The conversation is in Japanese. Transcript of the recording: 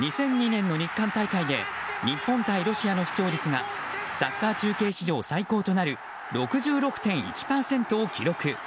２００２年の日韓大会で日本対ロシアの視聴率がサッカー中継史上最高となる６６．１％を記録。